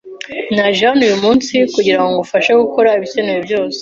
Naje hano uyu munsi kugirango ngufashe gukora ibikenewe byose.